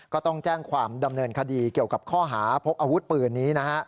ก็ต้องแจ้งความดำเนินคดีเกี่ยวกับข้อหาพกอาวุธปืนนี้นะฮะ